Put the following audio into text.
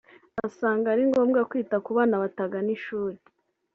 Asanga ari ngombwa kwita ku bana batagana ishuri